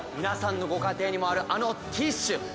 皆さんのご家庭にもあるあのティッシュ。